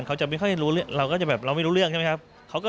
เราก็จะไม่รู้เรื่องใช่ไหมครับ